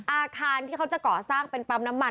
อาคารที่เขาจะก่อสร้างเป็นปั๊มน้ำมัน